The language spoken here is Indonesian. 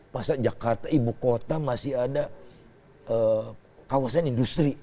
masa jakarta ibu kota masih ada kawasan industri